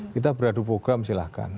kita beradu program silahkan